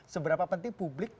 seberapa penting publik